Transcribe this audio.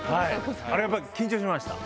あれ緊張しました？